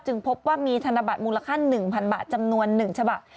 พบว่ามีธนบัตรมูลค่า๑๐๐๐บาทจำนวน๑ฉบับ